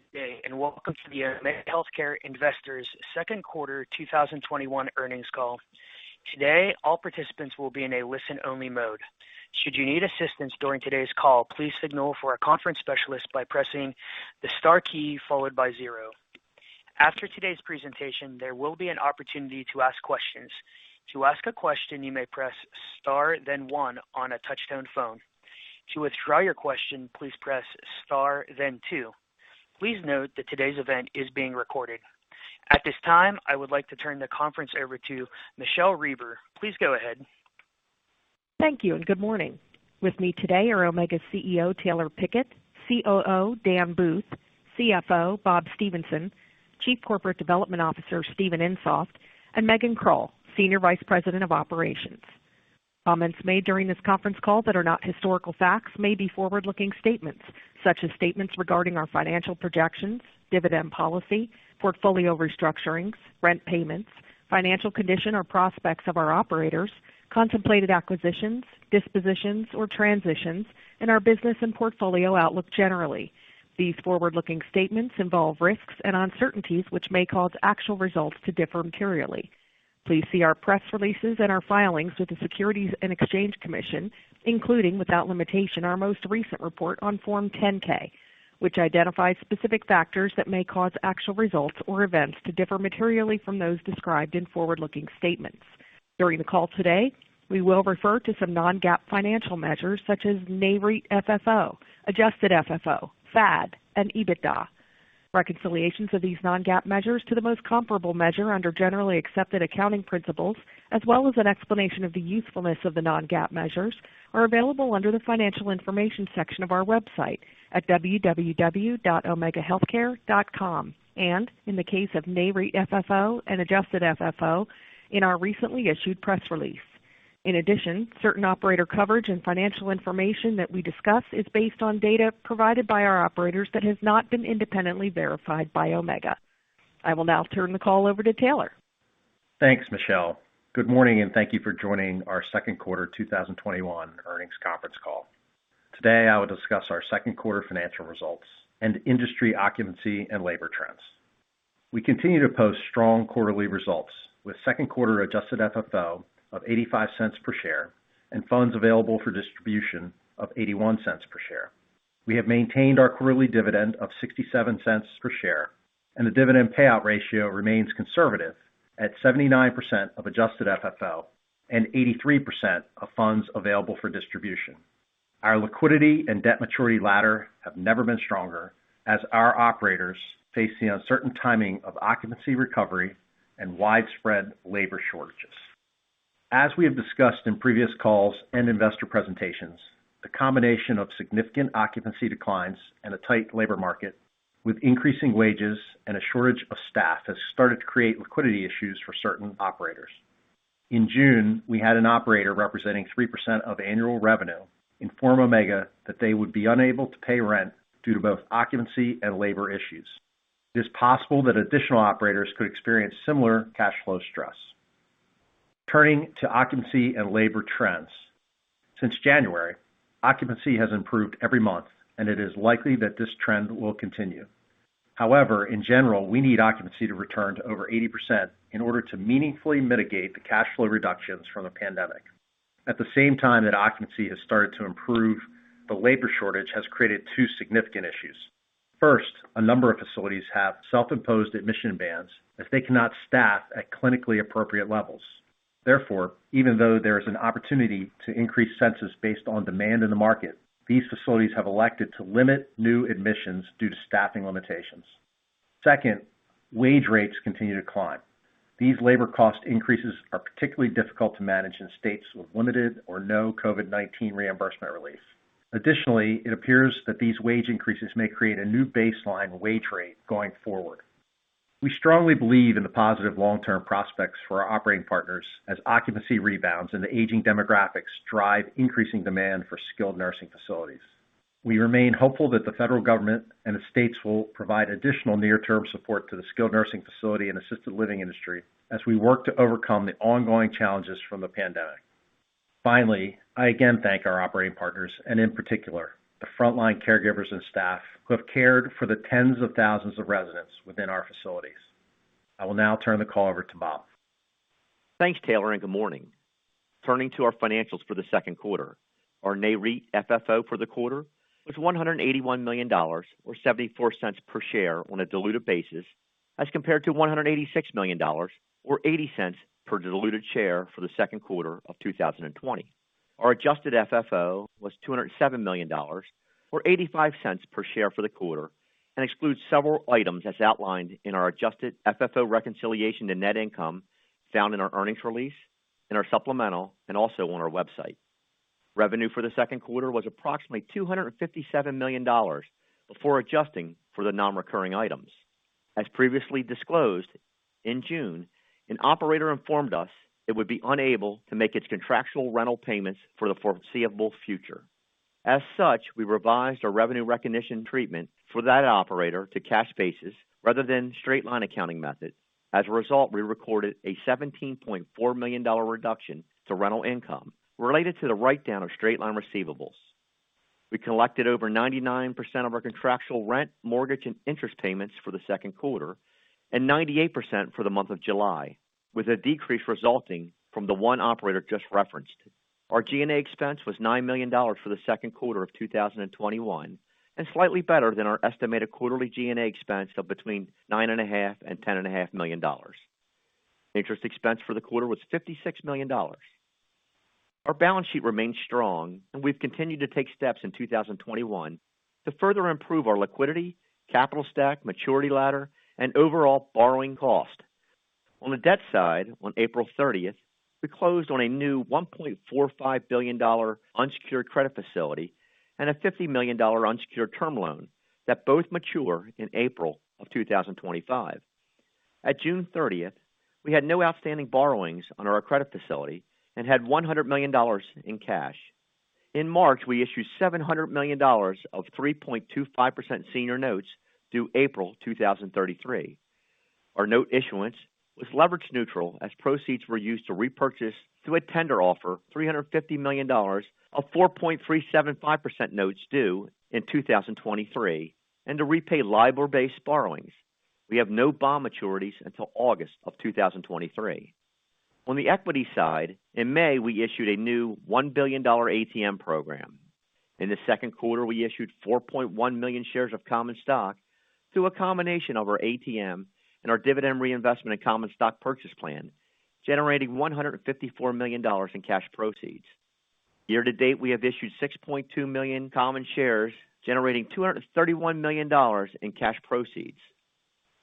Good day, and welcome to the Omega Healthcare Investors Second Quarter 2021 Earnings Call. Today, all participants will be in a listen-only mode. Should you need assistance during today's call, please signal for a conference specialist by pressing the star key followed by zero. After today's presentation, there will be an opportunity to ask questions. To ask a question, you may press star then one on a touch-tone phone. To withdraw your question, please press star then two. Please note that today's event is being recorded. At this time, I would like to turn the conference over to Michele Reber. Please go ahead. Thank you, and good morning. With me today are Omega CEO Taylor Pickett, COO Dan Booth, CFO Bob Stephenson, Chief Corporate Development Officer Steven Insoft, and Megan Krull, Senior Vice President of Operations. Comments made during this conference call that are not historical facts may be forward-looking statements, such as statements regarding our financial projections, dividend policy, portfolio restructurings, rent payments, financial condition or prospects of our operators, contemplated acquisitions, dispositions or transitions, and our business and portfolio outlook generally. These forward-looking statements involve risks and uncertainties which may cause actual results to differ materially. Please see our press releases and our filings with the Securities and Exchange Commission, including, without limitation, our most recent report on Form 10-K, which identifies specific factors that may cause actual results or events to differ materially from those described in forward-looking statements. During the call today, we will refer to some non-GAAP financial measures such as Nareit FFO, adjusted FFO, FAD, and EBITDA. Reconciliations of these non-GAAP measures to the most comparable measure under generally accepted accounting principles, as well as an explanation of the usefulness of the non-GAAP measures, are available under the Financial Information section of our website at www.omegahealthcare.com, and in the case of Nareit FFO and adjusted FFO, in our recently issued press release. In addition, certain operator coverage and financial information that we discuss is based on data provided by our operators that has not been independently verified by Omega. I will now turn the call over to Taylor. Thanks, Michele. Good morning, and thank you for joining our second quarter 2021 earnings conference call. Today, I will discuss our second quarter financial results and industry occupancy and labor trends. We continue to post strong quarterly results with second quarter adjusted FFO of $0.85 per share and funds available for distribution of $0.81 per share. We have maintained our quarterly dividend of $0.67 per share, and the dividend payout ratio remains conservative at 79% of adjusted FFO and 83% of funds available for distribution. Our liquidity and debt maturity ladder have never been stronger as our operators face the uncertain timing of occupancy recovery and widespread labor shortages. As we have discussed in previous calls and investor presentations, the combination of significant occupancy declines and a tight labor market with increasing wages and a shortage of staff has started to create liquidity issues for certain operators. In June, we had an operator representing 3% of annual revenue inform Omega that they would be unable to pay rent due to both occupancy and labor issues. It is possible that additional operators could experience similar cash flow stress. Turning to occupancy and labor trends. Since January, occupancy has improved every month, and it is likely that this trend will continue. However, in general, we need occupancy to return to over 80% in order to meaningfully mitigate the cash flow reductions from the pandemic. At the same time that occupancy has started to improve, the labor shortage has created two significant issues. First, a number of facilities have self-imposed admission bans if they cannot staff at clinically appropriate levels. Therefore, even though there is an opportunity to increase census based on demand in the market, these facilities have elected to limit new admissions due to staffing limitations. Second, wage rates continue to climb. These labor cost increases are particularly difficult to manage in states with limited or no COVID-19 reimbursement relief. Additionally, it appears that these wage increases may create a new baseline wage rate going forward. We strongly believe in the positive long-term prospects for our operating partners as occupancy rebounds and the aging demographics drive increasing demand for skilled nursing facilities. We remain hopeful that the federal government and the states will provide additional near-term support to the skilled nursing facility and assisted living industry as we work to overcome the ongoing challenges from the pandemic. Finally, I again thank our operating partners, and in particular, the frontline caregivers and staff who have cared for the tens of thousands of residents within our facilities. I will now turn the call over to Bob. Thanks, Taylor, and good morning. Turning to our financials for the second quarter. Our Nareit FFO for the quarter was $181 million, or $0.74 per share on a diluted basis, as compared to $186 million or $0.80 per diluted share for the second quarter of 2020. Our adjusted FFO was $207 million, or $0.85 per share for the quarter, and excludes several items as outlined in our adjusted FFO reconciliation to net income found in our earnings release, in our supplemental, and also on our website. Revenue for the second quarter was approximately $257 million before adjusting for the non-recurring items. As previously disclosed, in June, an operator informed us it would be unable to make its contractual rental payments for the foreseeable future. As such, we revised our revenue recognition treatment for that operator to cash basis rather than straight-line accounting method. As a result, we recorded a $17.4 million reduction to rental income related to the write-down of straight-line receivables. We collected over 99% of our contractual rent, mortgage, and interest payments for the second quarter, and 98% for the month of July, with a decrease resulting from the one operator just referenced. Our G&A expense was $9 million for the second quarter of 2021, and slightly better than our estimated quarterly G&A expense of between $9.5 million and $10.5 million. Interest expense for the quarter was $56 million. Our balance sheet remains strong, and we've continued to take steps in 2021 to further improve our liquidity, capital stack, maturity ladder, and overall borrowing cost. On the debt side, on April 30th, we closed on a new $1.45 billion unsecured credit facility and a $50 million unsecured term loan that both mature in April of 2025. At June 30th, we had no outstanding borrowings on our credit facility and had $100 million in cash. In March, we issued $700 million of 3.25% senior notes due April 2033. Our note issuance was leverage neutral as proceeds were used to repurchase through a tender offer, $350 million of 4.375% notes due in 2023, and to repay LIBOR-based borrowings. We have no bond maturities until August of 2023. On the equity side, in May, we issued a new $1 billion ATM program. In the second quarter, we issued 4.1 million shares of common stock through a combination of our ATM and our dividend reinvestment and common stock purchase plan, generating $154 million in cash proceeds. Year to date, we have issued 6.2 million common shares, generating $231 million in cash proceeds.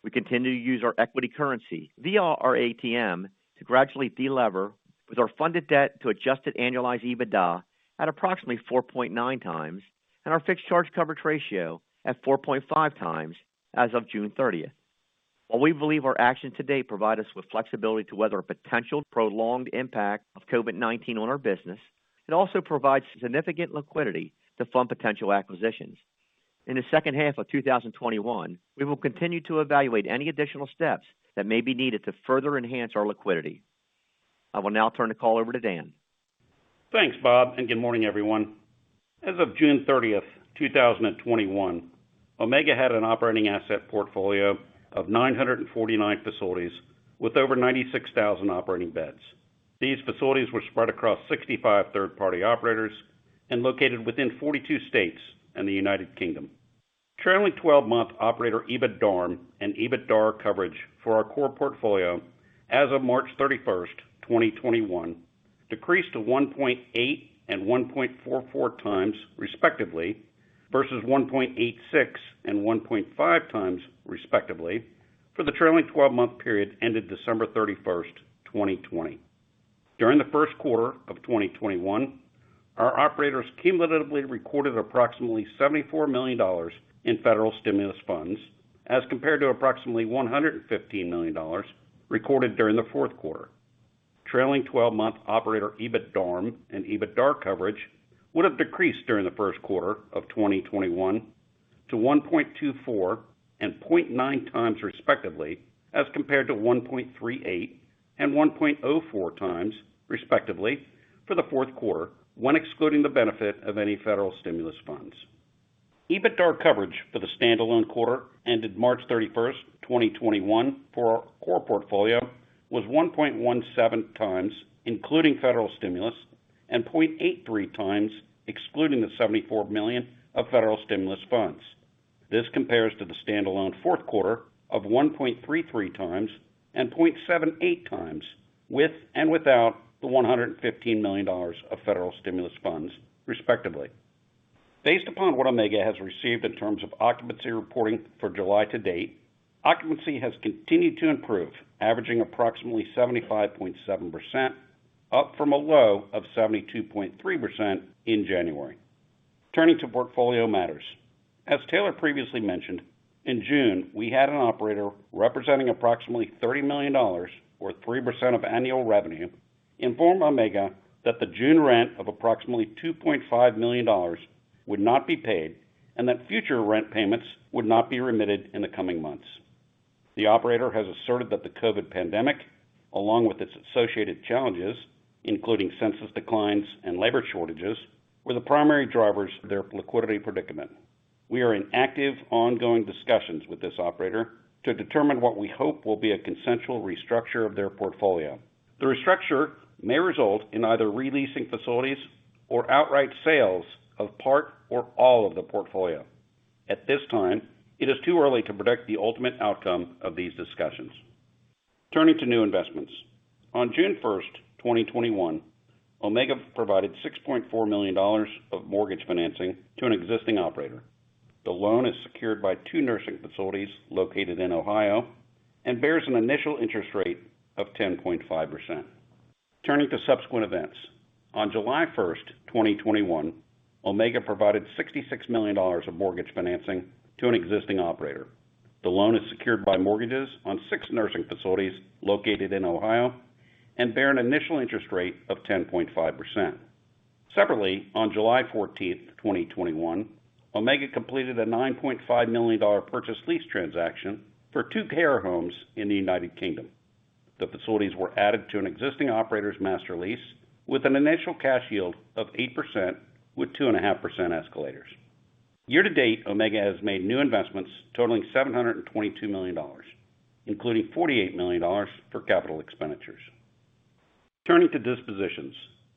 We continue to use our equity currency via our ATM to gradually de-lever with our funded debt to adjusted annualized EBITDA at approximately 4.9x and our fixed charge coverage ratio at 4.5x as of June 30th. While we believe our actions to date provide us with flexibility to weather a potential prolonged impact of COVID-19 on our business, it also provides significant liquidity to fund potential acquisitions. In the second half of 2021, we will continue to evaluate any additional steps that may be needed to further enhance our liquidity. I will now turn the call over to Dan. Thanks, Bob. Good morning, everyone. As of June 30th, 2021, Omega had an operating asset portfolio of 949 facilities with over 96,000 operating beds. These facilities were spread across 65 third-party operators and located within 42 states and the United Kingdom. Trailing 12-month operator EBITDARM and EBITDA coverage for our core portfolio as of March 31st, 2021, decreased to 1.8x and 1.44x, respectively, versus 1.86x and 1.5x, respectively, for the trailing 12-month period ended December 31st, 2020. During the first quarter of 2021, our operators cumulatively recorded approximately $74 million in federal stimulus funds as compared to approximately $115 million recorded during the fourth quarter. Trailing 12-month operator EBITDARM and EBITDA coverage would have decreased during the first quarter of 2021 to 1.24x and 0.9x, respectively, as compared to 1.38x and 1.04x, respectively, for the fourth quarter when excluding the benefit of any federal stimulus funds. EBITDA coverage for the standalone quarter ended March 31st, 2021, for our core portfolio was 1.17x, including federal stimulus, and 0.83x excluding the $74 million of federal stimulus funds. This compares to the standalone fourth quarter of 1.33x and 0.78x with and without the $115 million of federal stimulus funds, respectively. Based upon what Omega has received in terms of occupancy reporting for July to date, occupancy has continued to improve, averaging approximately 75.7%, up from a low of 72.3% in January. Turning to portfolio matters. As Taylor previously mentioned, in June, we had an operator representing approximately $30 million, or 3% of annual revenue, inform Omega that the June rent of approximately $2.5 million would not be paid and that future rent payments would not be remitted in the coming months. The operator has asserted that the COVID-19 pandemic, along with its associated challenges, including census declines and labor shortages, were the primary drivers for their liquidity predicament. We are in active, ongoing discussions with this operator to determine what we hope will be a consensual restructure of their portfolio. The restructure may result in either re-leasing facilities or outright sales of part or all of the portfolio. At this time, it is too early to predict the ultimate outcome of these discussions. Turning to new investments. On June 1st, 2021, Omega provided $6.4 million of mortgage financing to an existing operator. The loan is secured by two nursing facilities located in Ohio and bears an initial interest rate of 10.5%. Turning to subsequent events. On July 1, 2021, Omega provided $66 million of mortgage financing to an existing operator. The loan is secured by mortgages on six nursing facilities located in Ohio and bear an initial interest rate of 10.5%. Separately, on July 14, 2021, Omega completed a $9.5 million purchase lease transaction for two care homes in the United Kingdom. The facilities were added to an existing operator's master lease with an initial cash yield of 8% with 2.5% escalators. Year-to-date, Omega has made new investments totaling $722 million, including $48 million for capital expenditures. Turning to dispositions.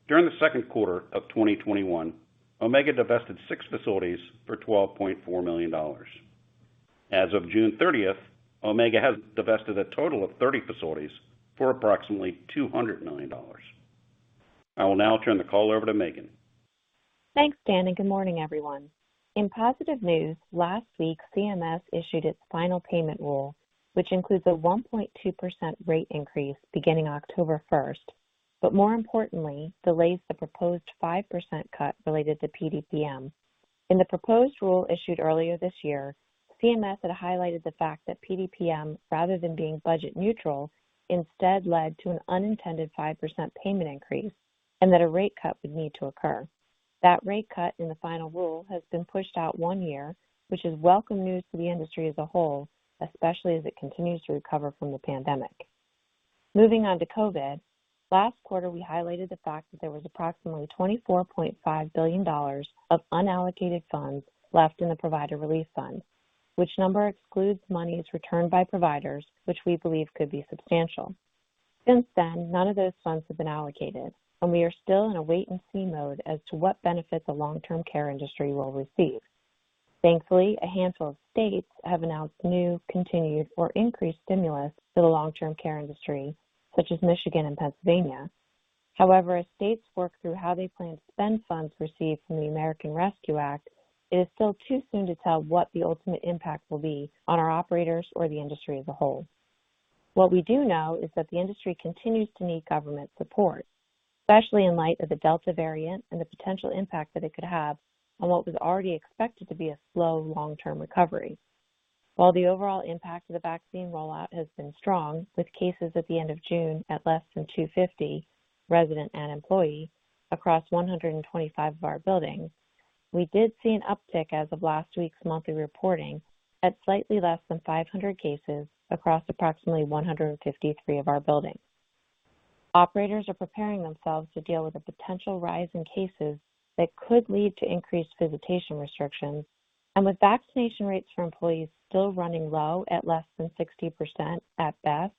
During the second quarter of 2021, Omega divested six facilities for $12.4 million. As of June 30, Omega has divested a total of 30 facilities for approximately $200 million. I will now turn the call over to Megan. Thanks, Dan. Good morning, everyone. In positive news, last week CMS issued its final payment rule, which includes a 1.2% rate increase beginning October 1st, but more importantly, delays the proposed 5% cut related to PDPM. In the proposed rule issued earlier this year, CMS had highlighted the fact that PDPM, rather than being budget neutral, instead led to an unintended 5% payment increase, and that a rate cut would need to occur. That rate cut in the final rule has been pushed out one year, which is welcome news to the industry as a whole, especially as it continues to recover from the pandemic. Moving on to COVID-19. Last quarter, we highlighted the fact that there was approximately $24.5 billion of unallocated funds left in the provider relief funds, which number excludes monies returned by providers, which we believe could be substantial. Since then, none of those funds have been allocated, we are still in a wait-and-see mode as to what benefits the long-term care industry will receive. Thankfully, a handful of states have announced new, continued, or increased stimulus to the long-term care industry, such as Michigan and Pennsylvania. As states work through how they plan to spend funds received from the American Rescue Act, it is still too soon to tell what the ultimate impact will be on our operators or the industry as a whole. What we do know is that the industry continues to need government support, especially in light of the Delta variant and the potential impact that it could have on what was already expected to be a slow long-term recovery. While the overall impact of the vaccine rollout has been strong, with cases at the end of June at less than 250, resident and employee, across 125 of our buildings, we did see an uptick as of last week's monthly reporting at slightly less than 500 cases across approximately 153 of our buildings. Operators are preparing themselves to deal with a potential rise in cases that could lead to increased visitation restrictions, and with vaccination rates for employees still running low at less than 60% at best,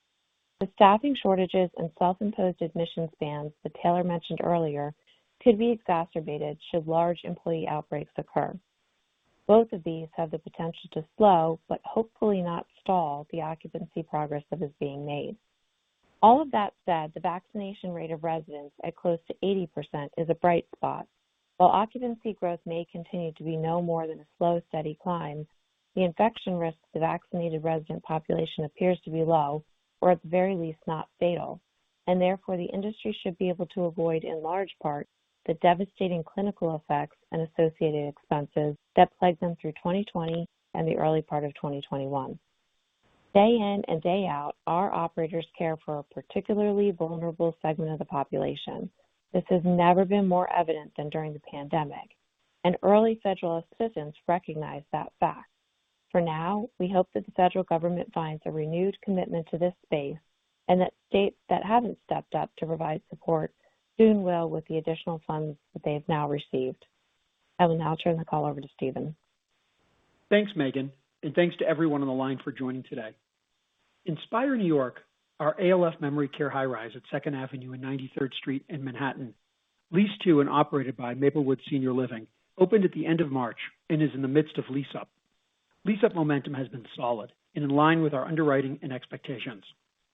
the staffing shortages and self-imposed admissions bans that Taylor mentioned earlier could be exacerbated should large employee outbreaks occur. Both of these have the potential to slow, but hopefully not stall, the occupancy progress that is being made. All of that said, the vaccination rate of residents at close to 80% is a bright spot. While occupancy growth may continue to be no more than a slow, steady climb, the infection risk to vaccinated resident population appears to be low, or at the very least not fatal, and therefore the industry should be able to avoid, in large part, the devastating clinical effects and associated expenses that plagued them through 2020 and the early part of 2021. Day in and day out, our operators care for a particularly vulnerable segment of the population. This has never been more evident than during the pandemic. An early federal assistance recognized that fact. For now, we hope that the federal government finds a renewed commitment to this space and that states that haven't stepped up to provide support soon will with the additional funds that they have now received. I will now turn the call over to Steven. Thanks, Megan. Thanks to everyone on the line for joining today. Inspīr Carnegie Hill, our ALF memory care high-rise at 2nd Avenue and 93rd Street in Manhattan, leased to and operated by Maplewood Senior Living, opened at the end of March and is in the midst of lease-up. Lease-up momentum has been solid and in line with our underwriting and expectations.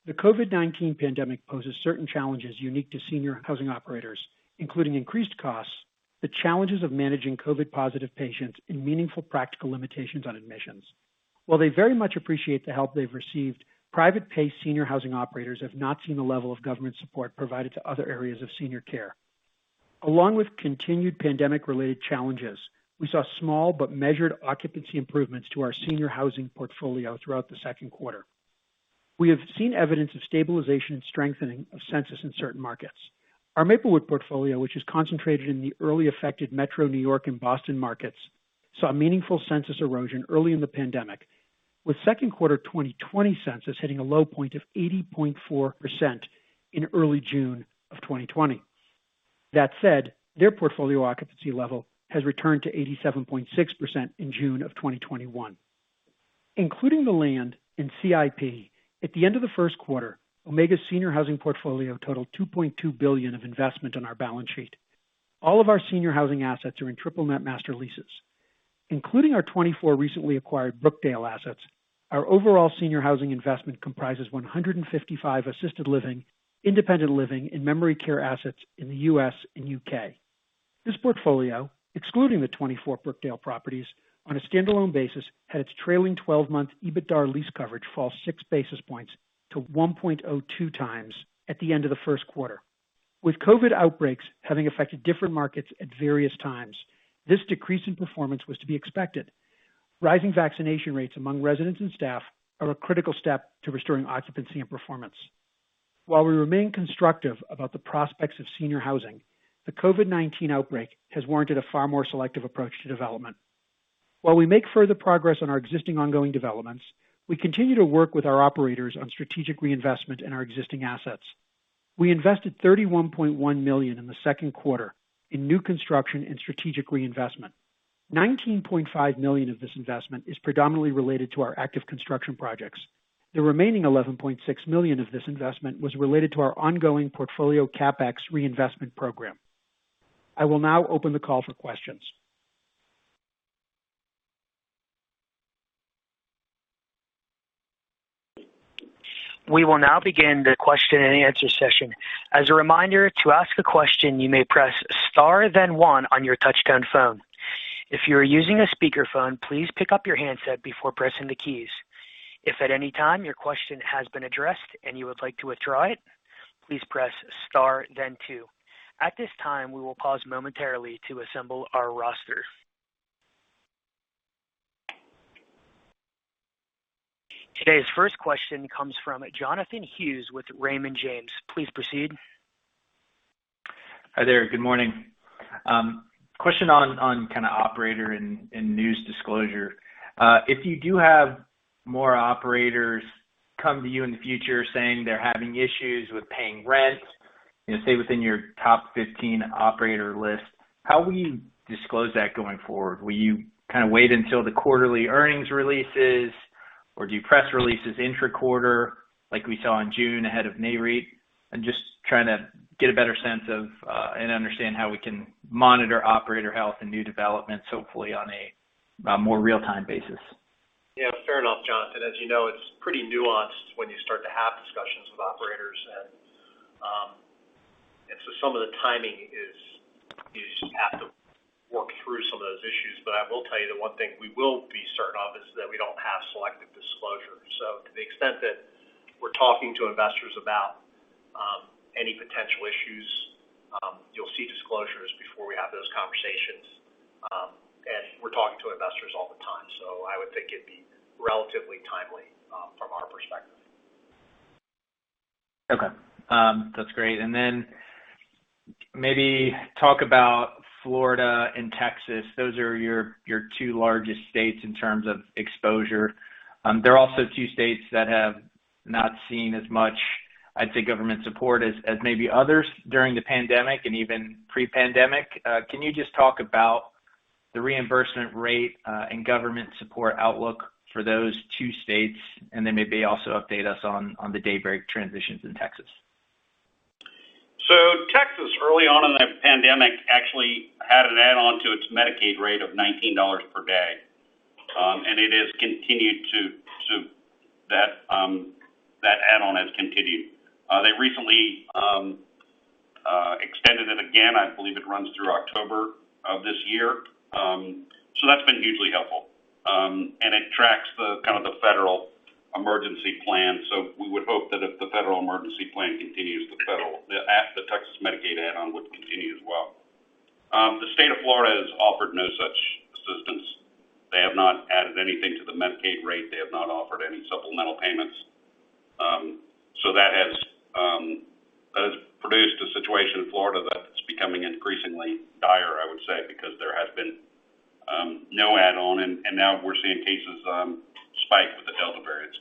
The COVID-19 pandemic poses certain challenges unique to senior housing operators, including increased costs, the challenges of managing COVID-positive patients, and meaningful practical limitations on admissions. While they very much appreciate the help they've received, private pay senior housing operators have not seen the level of government support provided to other areas of senior care. Along with continued pandemic-related challenges, we saw small but measured occupancy improvements to our senior housing portfolio throughout the second quarter. We have seen evidence of stabilization and strengthening of census in certain markets. Our Maplewood portfolio, which is concentrated in the early affected metro New York and Boston markets, saw meaningful census erosion early in the pandemic, with second quarter 2020 census hitting a low point of 80.4% in early June of 2020. That said, their portfolio occupancy level has returned to 87.6% in June of 2021. Including the land in CIP, at the end of the first quarter, Omega's senior housing portfolio totaled $2.2 billion of investment on our balance sheet. All of our senior housing assets are in triple net master leases. Including our 24 recently acquired Brookdale assets, our overall senior housing investment comprises 155 assisted living, independent living, and memory care assets in the U.S. and U.K. This portfolio, excluding the 24 Brookdale properties, on a standalone basis, had its trailing 12-month EBITDA lease coverage fall 6 basis points to 1.02x at the end of the first quarter. With COVID outbreaks having affected different markets at various times, this decrease in performance was to be expected. Rising vaccination rates among residents and staff are a critical step to restoring occupancy and performance. While we remain constructive about the prospects of senior housing, the COVID-19 outbreak has warranted a far more selective approach to development. While we make further progress on our existing ongoing developments, we continue to work with our operators on strategic reinvestment in our existing assets. We invested $31.1 million in the second quarter in new construction and strategic reinvestment. $19.5 million of this investment is predominantly related to our active construction projects. The remaining $11.6 million of this investment was related to our ongoing portfolio CapEx reinvestment program. I will now open the call for questions. We will now begin the question and answer session. As a reminder to ask question you may press star then one on your touchtone phone. If you are using speakerphone please pick up your handset before pressing the keys. As at any time your question has been addressed and you would like to withdraw please press star then two. At this time, we will pause momentarily to assemble our roster. Today's first question comes from Jonathan Hughes with Raymond James. Please proceed. Hi there. Good morning. Question on kind of operator and news disclosure. If you do have more operators come to you in the future saying they're having issues with paying rent, say, within your top 15 operator list, how will you disclose that going forward? Will you kind of wait until the quarterly earnings releases, or do you press releases intra-quarter, like we saw in June ahead of Nareit? I'm just trying to get a better sense of and understand how we can monitor operator health and new developments, hopefully on a more real-time basis. Yeah. Fair enough, Jonathan. As you know, it's pretty nuanced when you start to have discussions with operators. Some of the timing is you just have to work through some of those issues. I will tell you that one thing we will be certain of is that we don't have selective disclosure. To the extent that we're talking to investors about any potential issues, you'll see disclosures before we have those conversations. We're talking to investors all the time, so I would think it'd be relatively timely from our perspective. Okay. That's great. Then maybe talk about Florida and Texas. Those are your two largest states in terms of exposure. They're also two states that have not seen as much, I'd say, government support as maybe others during the pandemic and even pre-pandemic. Can you just talk about the reimbursement rate and government support outlook for those two states, then maybe also update us on the Daybreak transitions in Texas? Texas, early on in the pandemic, actually had an add-on to its Medicaid rate of $19 per day. That add-on has continued. They recently extended it again. I believe it runs through October of this year. That's been hugely helpful. It tracks kind of the federal emergency plan, so we would hope that if the federal emergency plan continues, the Texas Medicaid add-on would continue as well. The State of Florida has offered no such assistance. They have not added anything to the Medicaid rate. They have not offered any supplemental payments. That has produced a situation in Florida that's becoming increasingly dire, I would say, because there has been no add-on, and now we're seeing cases spike with the Delta variant.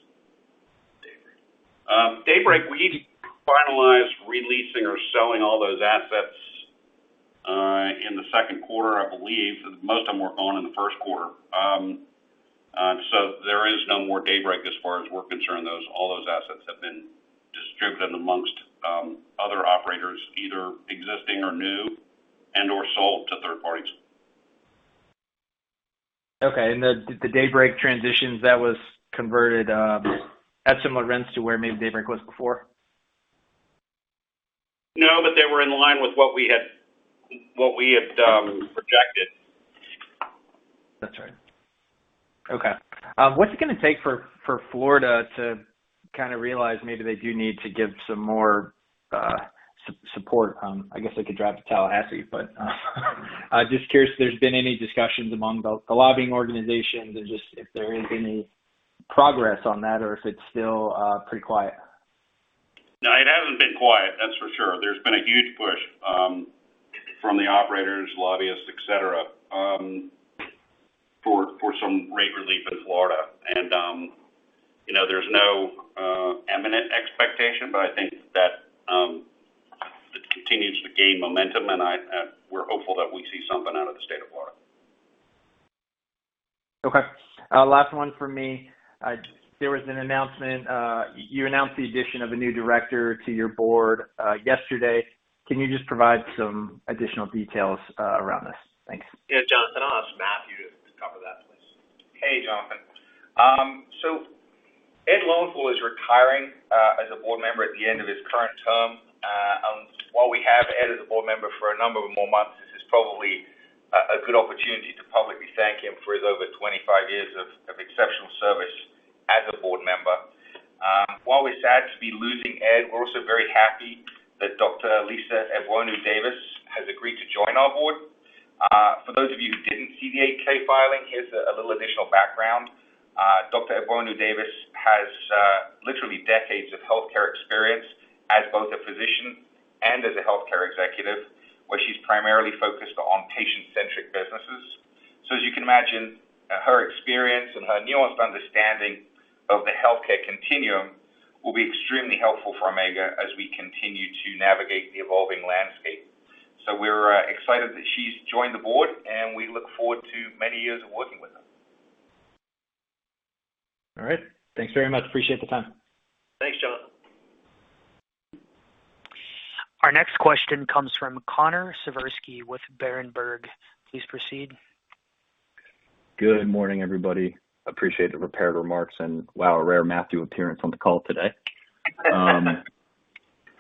Daybreak. Daybreak, we finalized re-leasing or selling all those assets in the second quarter, I believe. Most of them were gone in the first quarter. There is no more Daybreak as far as we're concerned. All those assets have been distributed amongst other operators, either existing or new, and/or sold to third parties. Okay. The Daybreak transitions, that was converted at similar rents to where maybe Daybreak was before? No, but they were in line with what we had projected. That's right. Okay. What's it going to take for Florida to kind of realize maybe they do need to give some more support? I guess I could drive to Tallahassee, but just curious if there's been any discussions among the lobbying organizations and just if there is any progress on that or if it's still pretty quiet. No, it hasn't been quiet, that's for sure. There's been a huge push from the operators, lobbyists, et cetera, for some rate relief in Florida. There's no imminent expectation, but I think that it continues to gain momentum, and we're hopeful that we see something out of the State of Florida. Okay. Last one from me. There was an announcement. You announced the addition of a new director to your board yesterday. Can you just provide some additional details around this? Thanks. Yeah, Jonathan, I'll ask Matthew to cover that, please. Hey, Jonathan. Ed Lowenthal is retiring as a board member at the end of his current term. While we have Ed as a board member for a number of more months, this is probably a good opportunity to publicly thank him for his over 25 years of exceptional service as a board member. While we're sad to be losing Ed, we're also very happy that Dr. Lisa Egbuonu-Davis has agreed to join our board. For those of you who didn't see the 8-K filing, here's a little additional background. Lisa Egbuonu-Davis has literally decades of healthcare experience as both a physician and as a healthcare executive, where she's primarily focused on patient-centric businesses. As you can imagine, her experience and her nuanced understanding of the healthcare continuum will be extremely helpful for Omega as we continue to navigate the evolving landscape. We're excited that she's joined the board, and we look forward to many years of working with her. All right. Thanks very much. Appreciate the time. Thanks, Jon. Our next question comes from Connor Siversky with Berenberg. Please proceed. Good morning, everybody. Appreciate the prepared remarks, and wow, a rare Matthew appearance on the call today.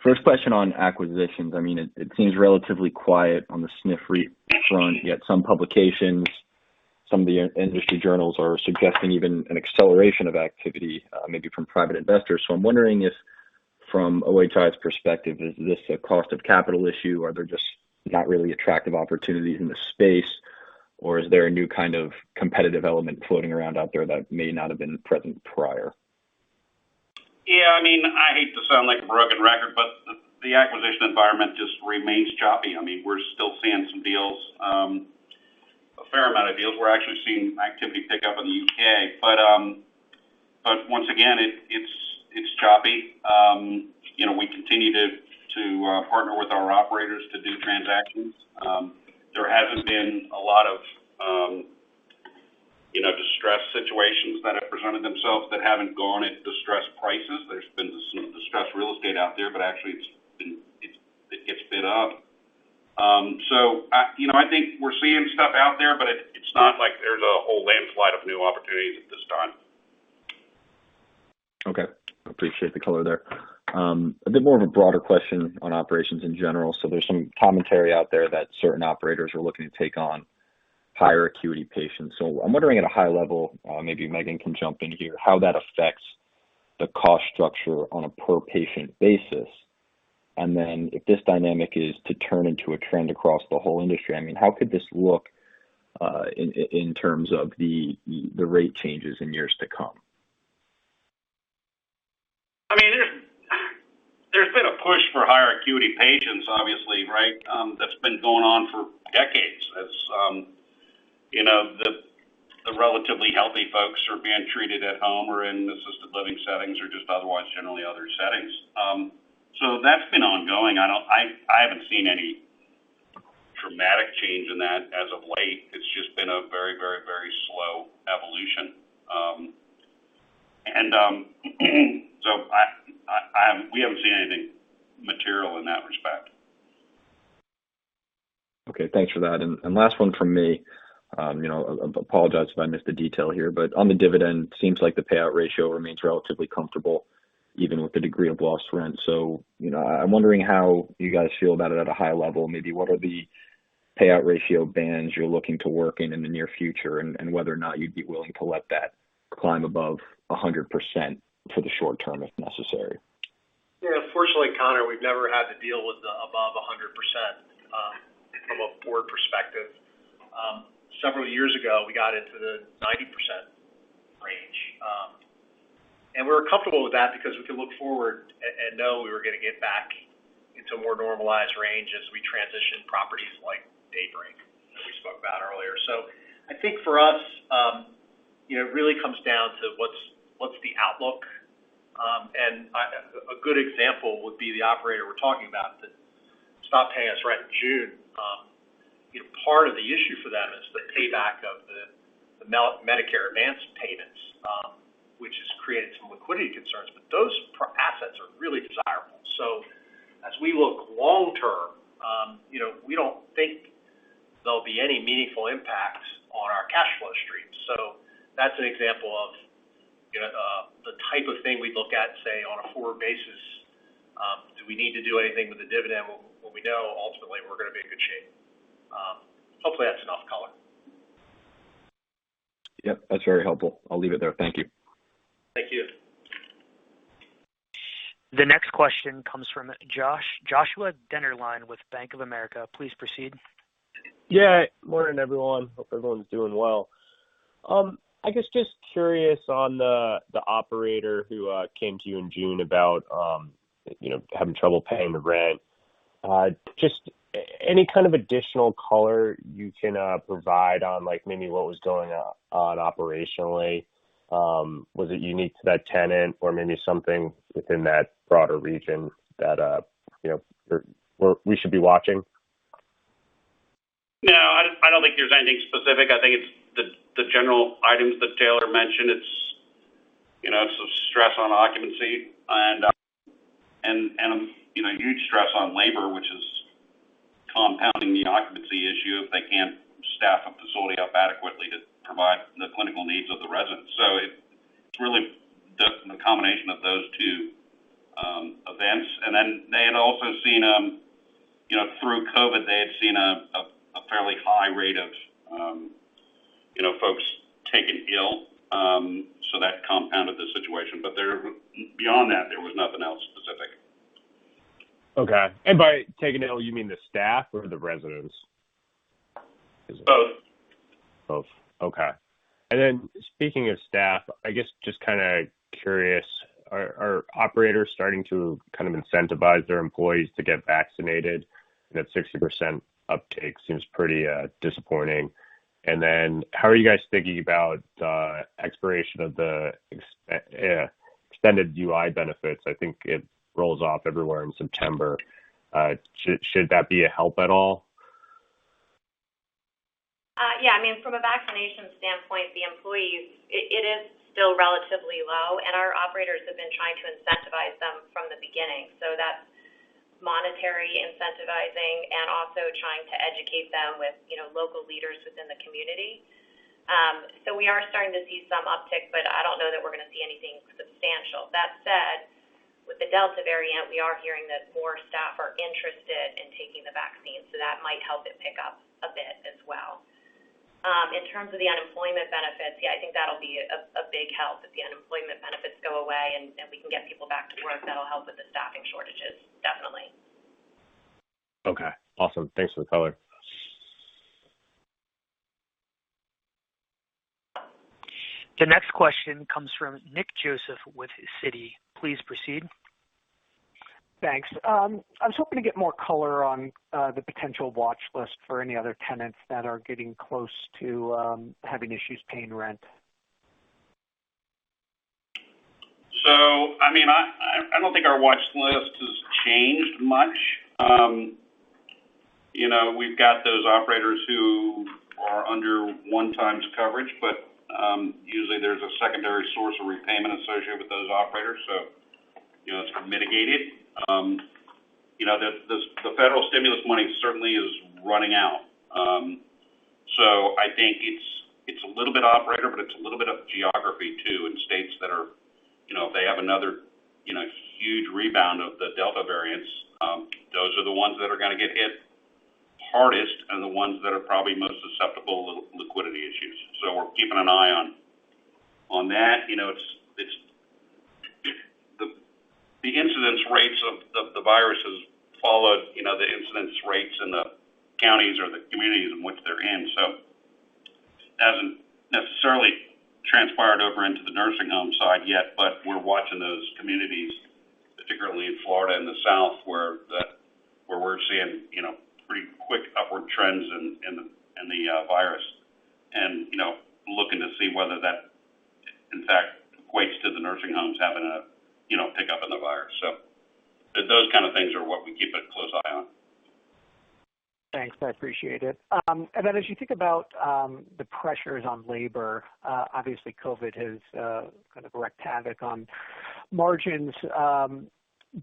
First question on acquisitions. It seems relatively quiet on the SNF REIT front, yet some publications, some of the industry journals are suggesting even an acceleration of activity, maybe from private investors. I'm wondering if, from OHI's perspective, is this a cost of capital issue? Are there just not really attractive opportunities in the space, or is there a new kind of competitive element floating around out there that may not have been present prior? I hate to sound like a broken record, the acquisition environment just remains choppy. We're still seeing some deals, a fair amount of deals. We're actually seeing activity pick up in the U.K. Once again, it's choppy. We continue to partner with our operators to do transactions. There hasn't been a lot of distress situations that have presented themselves that haven't gone at distressed prices. There's been some distressed real estate out there, but actually it gets bid up. I think we're seeing stuff out there, but it's not like there's a whole landslide of new opportunities at this time. Okay. Appreciate the color there. A bit more of a broader question on operations in general. There's some commentary out there that certain operators are looking to take on higher acuity patients. I'm wondering, at a high level, maybe Megan can jump in here, how that affects the cost structure on a per-patient basis. If this dynamic is to turn into a trend across the whole industry, how could this look in terms of the rate changes in years to come? There's been a push for higher acuity patients, obviously. That's been going on for decades. The relatively healthy folks are being treated at home or in assisted living settings or just otherwise, generally other settings. That's been ongoing. I haven't seen any dramatic change in that as of late. It's just been a very slow evolution. We haven't seen anything material in that respect. Okay. Thanks for that. Last one from me. I apologize if I missed the detail here, but on the dividend, seems like the payout ratio remains relatively comfortable even with the degree of lost rent. I'm wondering how you guys feel about it at a high level. Maybe what are the payout ratio bands you're looking to work in the near future, and whether or not you'd be willing to let that climb above 100% for the short term, if necessary? Yeah. Fortunately, Connor, we've never had to deal with above 100% from a board perspective. Several years ago, we got into the 90% range. We were comfortable with that because we could look forward and know we were going to get back into a more normalized range as we transition properties like Daybreak, as we spoke about earlier. I think for us, it really comes down to what's the outlook. A good example would be the operator we're talking about that stopped paying us rent in June. Part of the issue for them is the payback of the Medicare advance payments, which has created some liquidity concerns. Those assets are really desirable. As we look long-term, we don't think there'll be any meaningful impact on our cash flow stream. That's an example of the type of thing we'd look at, say, on a forward basis. Do we need to do anything with the dividend when we know ultimately we're going to be in good shape? Hopefully that's enough color. Yep, that's very helpful. I'll leave it there. Thank you. Thank you. The next question comes from Joshua Dennerlein with Bank of America. Please proceed. Yeah. Morning, everyone. Hope everyone's doing well. I guess just curious on the operator who came to you in June about having trouble paying the rent. Just any kind of additional color you can provide on maybe what was going on operationally? Was it unique to that tenant or maybe something within that broader region that we should be watching? I don't think there's anything specific. I think it's the general items that Taylor mentioned. It's some stress on occupancy and a huge stress on labor, which is compounding the occupancy issue if they can't staff a facility up adequately to provide the clinical needs of the residents. It's really the combination of those two events. They had also seen, through COVID, they had seen a fairly high rate of folks taken ill. That compounded the situation. Beyond that, there was nothing else. Okay. By taken ill, you mean the staff or the residents? Both. Both. Okay. Speaking of staff, I guess just curious, are operators starting to incentivize their employees to get vaccinated? That 60% uptake seems pretty disappointing. How are you guys thinking about the expiration of the extended UI benefits? I think it rolls off everywhere in September. Should that be a help at all? Yeah. From a vaccination standpoint, the employees, it is still relatively low, and our operators have been trying to incentivize them from the beginning. That's monetary incentivizing and also trying to educate them with local leaders within the community. We are starting to see some uptick, but I don't know that we're going to see anything substantial. That said, with the Delta variant, we are hearing that more staff are interested in taking the vaccine, so that might help it pick up a bit as well. In terms of the unemployment benefits, yeah, I think that'll be a big help. If the unemployment benefits go away and we can get people back to work, that'll help with the staffing shortages, definitely. Okay. Awesome. Thanks for the color. The next question comes from Nick Joseph with Citi. Please proceed. Thanks. I was hoping to get more color on the potential watchlist for any other tenants that are getting close to having issues paying rent. I don't think our watchlist has changed much. We've got those operators who are under one times coverage, but usually there's a secondary source of repayment associated with those operators, so it's mitigated. The federal stimulus money certainly is running out. I think it's a little bit operator, but it's a little bit of geography, too, in states that if they have another huge rebound of the Delta variants, those are the ones that are going to get hit hardest and the ones that are probably most susceptible to liquidity issues. We're keeping an eye on that. The incidence rates of the virus has followed the incidence rates in the counties or the communities in which they're in. It hasn't necessarily transpired over into the nursing home side yet, but we're watching those communities, particularly in Florida and the South, where we're seeing pretty quick upward trends in the virus and looking to see whether that, in fact, equates to the nursing homes having a pick-up in the virus. Those kind of things are what we keep a close eye on. Thanks. I appreciate it. As you think about the pressures on labor, obviously COVID has kind of wreaked havoc on margins.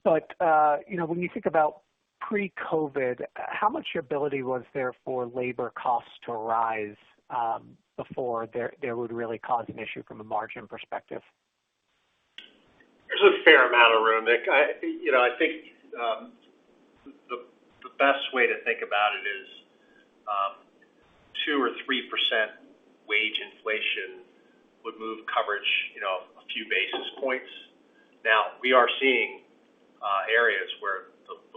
When you think about pre-COVID, how much ability was there for labor costs to rise before there would really cause an issue from a margin perspective? There's a fair amount of room, Nick. I think the best way to think about it is 2% or 3% wage inflation would move coverage a few basis points. We are seeing areas where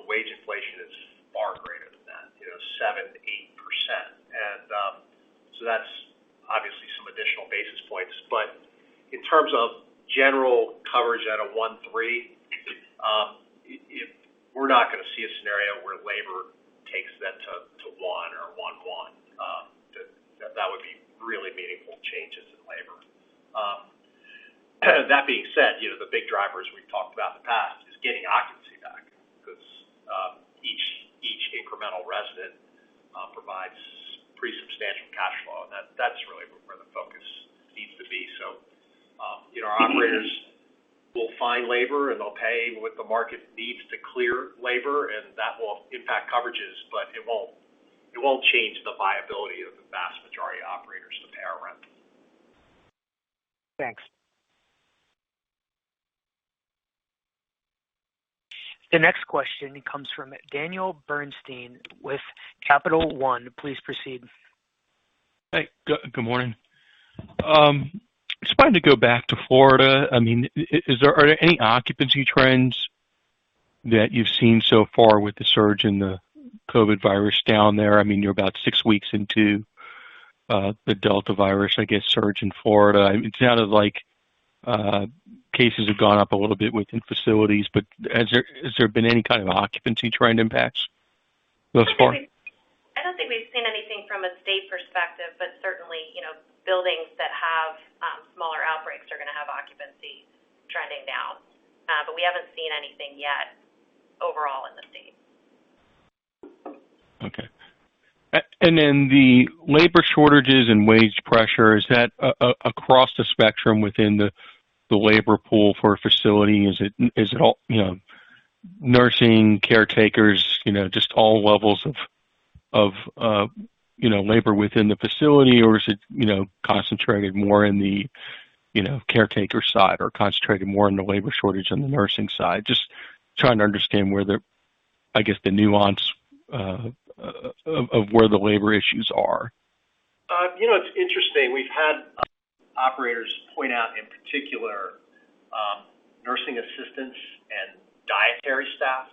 the wage inflation is far greater than that, 7% to 8%. That's obviously some additional basis points. In terms of general coverage at a 1.3, we're not going to see a scenario where labor takes that to 1 or 1.1. That would be really meaningful changes in labor. That being said, the big driver, as we've talked about in the past, is getting occupancy back because each incremental resident provides pretty substantial cash flow, and that's really where the focus needs to be. Our operators will find labor, and they'll pay what the market needs to clear labor, and that will impact coverages. It won't change the viability of the vast majority of operators to pay our rent. Thanks. The next question comes from Daniel Bernstein with Capital One. Please proceed. Hey, good morning. Just wanted to go back to Florida. Are there any occupancy trends that you've seen so far with the surge in the COVID-19 down there? You're about six weeks into the Delta variant, I guess, surge in Florida. It sounded like cases have gone up a little bit within facilities, but has there been any kind of occupancy trend impacts thus far? I don't think we've seen anything from a state perspective. Certainly, buildings that have smaller outbreaks are going to have occupancy trending down. We haven't seen anything yet overall in the state. Okay. The labor shortages and wage pressure, is that across the spectrum within the labor pool for a facility? Is it nursing, caretakers, just all levels of labor within the facility, or is it concentrated more in the caretaker side, or concentrated more in the labor shortage on the nursing side? Just trying to understand where the nuance of where the labor issues are. It's interesting. We've had operators point out, in particular, nursing assistants and dietary staff.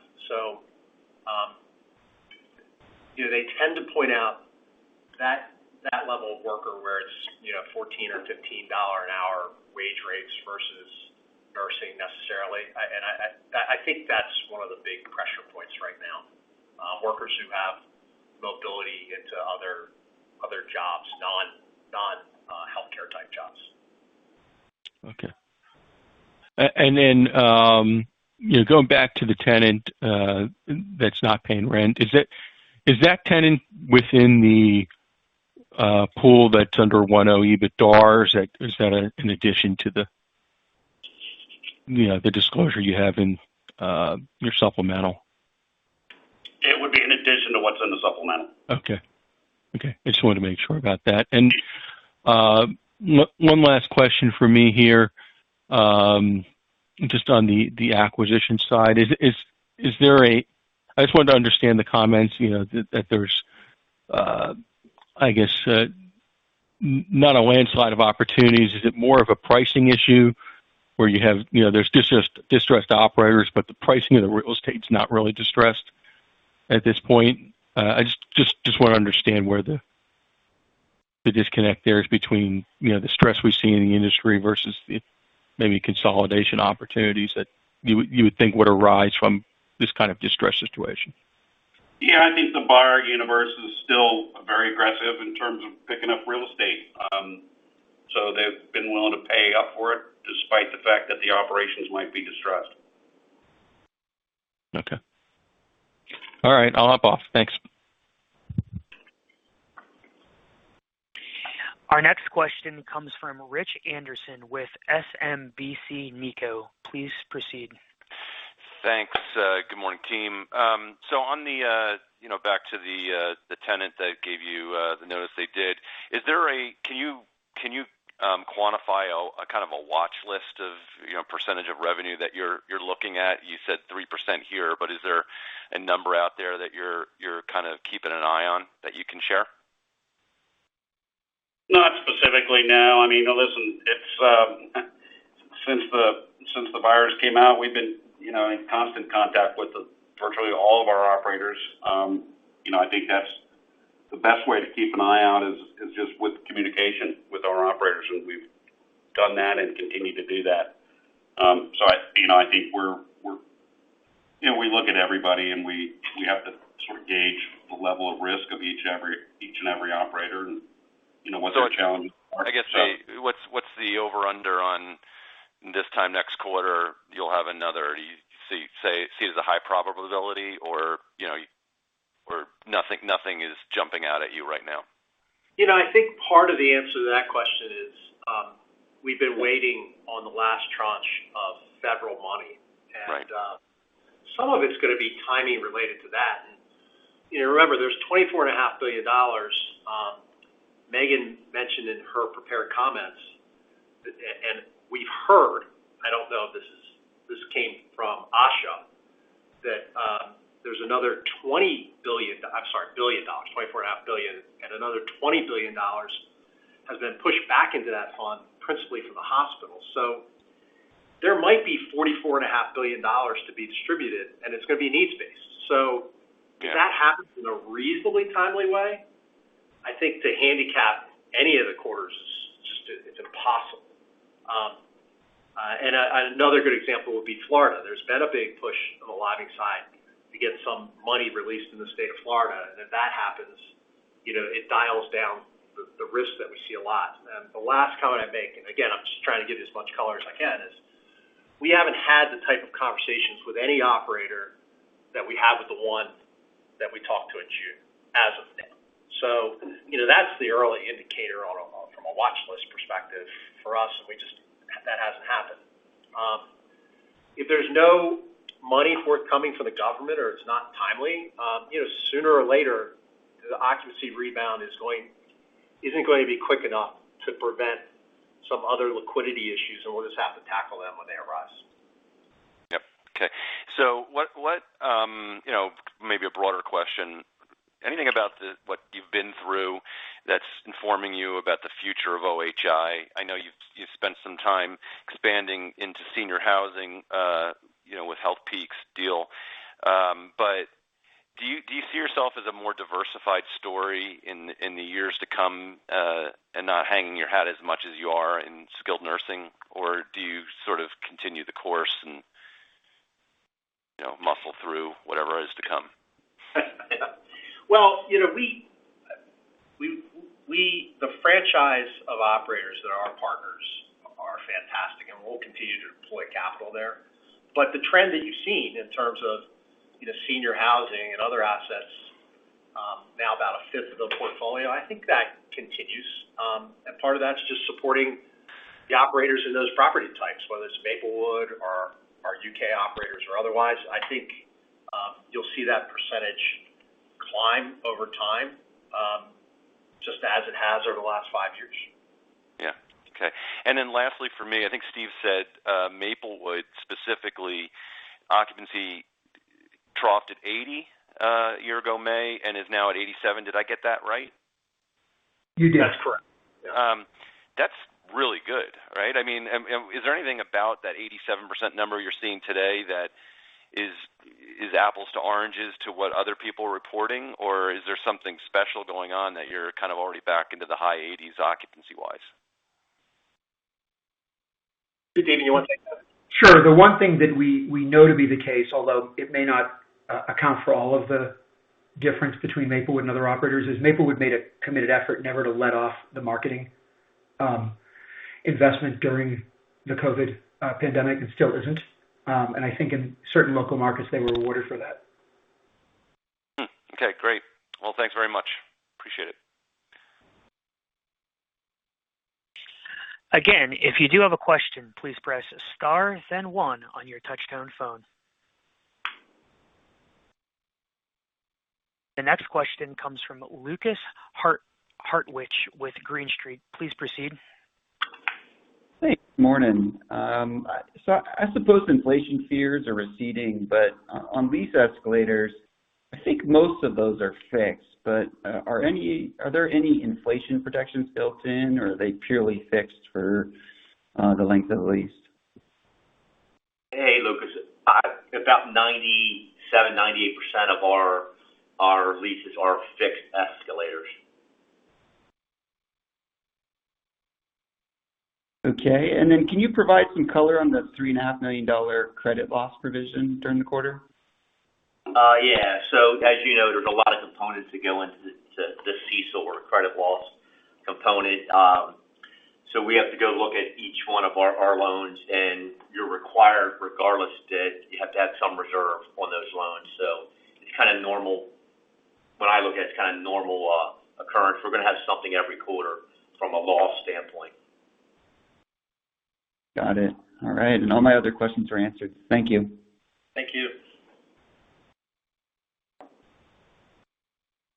They tend to point out that level of worker where it's $14 or $15 an hour wage rates versus nursing necessarily. I think that's one of the big pressure points right now, workers who have mobility into other jobs, non-healthcare-type jobs. Okay. Going back to the tenant that's not paying rent, is that tenant within the pool that's under 1.0 EBITDAR? Is that an addition to the disclosure you have in your supplemental? It would be in addition to what's in the supplemental. Okay. I just wanted to make sure about that. One last question from me here, just on the acquisition side. I just wanted to understand the comments, that there's, I guess, not a landslide of opportunities. Is it more of a pricing issue where there's distressed operators, but the pricing of the real estate's not really distressed at this point? I just want to understand where the disconnect there is between the stress we see in the industry versus the maybe consolidation opportunities that you would think would arise from this kind of distressed situation. Yeah. I think the buyer universe is still very aggressive in terms of picking up real estate. They've been willing to pay up for it despite the fact that the operations might be distressed. Okay. All right. I'll hop off. Thanks. Our next question comes from Rich Anderson with SMBC Nikko. Please proceed. Thanks. Good morning, team. Back to the tenant that gave you the notice they did, can you quantify a kind of a watch list of percentage of revenue that you're looking at? You said 3% here, is there a number out there that you're kind of keeping an eye on that you can share? Not specifically, no. Listen, since the virus came out, we've been in constant contact with virtually all of our operators. I think that's the best way to keep an eye out is just with communication with our operators, and we've done that and continue to do that. I think we look at everybody and we have to sort of gauge the level of risk of each and every operator and what their challenges are. I guess, what's the over-under on this time next quarter? Do you see it as a high probability or nothing is jumping out at you right now? I think part of the answer to that question is we've been waiting on the last tranche of federal money. Right. Some of it's going to be timing related to that. Remember, there's $24.5 billion. Megan mentioned in her prepared comments, and we've heard, I don't know if this came from AHCA, that there's another $20 billion, $24.5 billion, and another $20 billion has been pushed back into that fund principally from the hospitals. There might be $44.5 billion to be distributed, and it's going to be needs-based. Yeah. If that happens in a reasonably timely way, I think to handicap any of the quarters, just it's impossible. Another good example would be Florida. There's been a big push on the lobbying side to get some money released in the state of Florida. If that happens, it dials down the risk that we see a lot. The last comment I'd make, and again, I'm just trying to give you as much color as I can, is we haven't had the type of conversations with any operator that we had with the one that we talked to in June as of now. That's the early indicator from a watch list perspective for us, and that hasn't happened. If there's no money forthcoming from the government or it's not timely, sooner or later, the occupancy rebound isn't going to be quick enough to prevent some other liquidity issues, and we'll just have to tackle them when they arise. Yep. Okay. Maybe a broader question. Anything about what you've been through that's informing you about the future of OHI? I know you've spent some time expanding into senior housing with Healthpeak's deal. Do you see yourself as a more diversified story in the years to come, and not hanging your hat as much as you are in skilled nursing? Do you sort of continue the course and muscle through whatever is to come? Well, the franchise of operators that are our partners are fantastic, and we'll continue to deploy capital there. The trend that you've seen in terms of senior housing and other assets, now about a fifth of the portfolio, I think that continues. Part of that's just supporting the operators in those property types, whether it's Maplewood or our U.K. operators or otherwise. I think you'll see that percentage climb over time, just as it has over the last five years. Lastly for me, I think Steve said Maplewood specifically, occupancy troughed at 80% a year ago May, and is now at 87%. Did I get that right? You did. That's correct. That's really good, right? Is there anything about that 87% number you're seeing today that is apples to oranges to what other people are reporting? Is there something special going on that you're kind of already back into the high 80%s occupancy wise? Steve, you want to take that? Sure. The one thing that we know to be the case, although it may not account for all of the difference between Maplewood and other operators, is Maplewood made a committed effort never to let off the marketing investment during the COVID pandemic and still isn't. I think in certain local markets, they were rewarded for that. Okay, great. Well, thanks very much. Appreciate it. If you do have a question, please press star then one on your touch-tone phone. The next question comes from Lukas Hartwich with Green Street. Please proceed. Thanks. Morning. I suppose inflation fears are receding, but on lease escalators, I think most of those are fixed, but are there any inflation protections built in or are they purely fixed for the length of the lease? Hey, Lukas. About 97, 98% of our leases are fixed escalators. Okay. Can you provide some color on the $3.5 million credit loss provision during the quarter? Yeah. As you know, there's a lot of components that go into the CECL or credit loss component. We have to go look at each one of our loans, you're required regardless that you have to have some reserve on those loans. When I look at it's kind of normal occurrence. We're going to have something every quarter from a loss standpoint. Got it. All right. All my other questions are answered. Thank you. Thank you.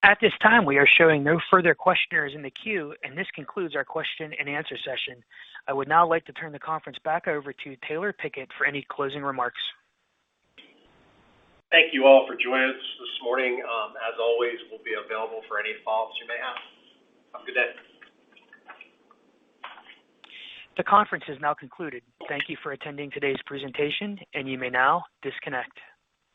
At this time, we are showing no further questioners in the queue. This concludes our question and answer session. I would now like to turn the conference back over to Taylor Pickett for any closing remarks. Thank you all for joining us this morning. As always, we'll be available for any follow-ups you may have. Have a good day. The conference has now concluded. Thank you for attending today's presentation, and you may now disconnect.